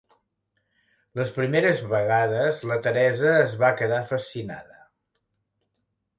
Les primeres vegades la Teresa es va quedar fascinada.